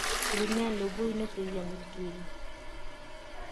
رومیان له بوی نه پېژندل کېږي